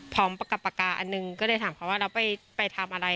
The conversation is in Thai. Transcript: พร้อมกับปากกาอันหนึ่งก็เลยถามเขาว่าแล้วไปทำอะไร